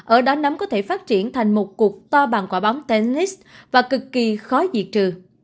ở đó nấm có thể phát triển thành một cuộc to bằng quả bóng tellis và cực kỳ khó diệt trừ